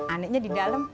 anehnya di dalam